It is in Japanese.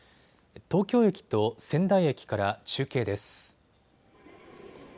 東京駅と仙台駅から中継です。